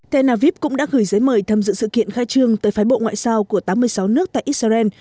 tel aviv cũng đã gửi giấy mời tham dự sự kiện khai trương tới phái bộ ngoại giao của tám mươi sáu nước tại israel